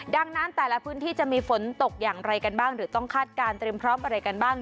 ดังนั้นแต่ละพื้นที่จะมีฝนตกอย่างไรกันบ้างหรือต้องคาดการณ์เตรียมพร้อมอะไรกันบ้าง